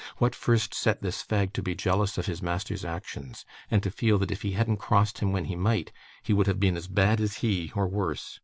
What first set this fag to be jealous of his master's actions, and to feel that, if he hadn't crossed him when he might, he would have been as bad as he, or worse?